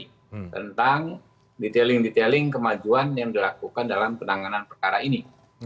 penerang dari polri tentang detailing detailing kemajuan yang dilakukan dalam penanganan perkara ini